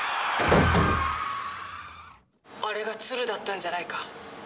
あれが鶴だったんじゃないか。